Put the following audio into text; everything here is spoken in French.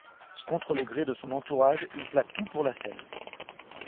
Contre le gré de son entourage, il plaque tout pour la scène.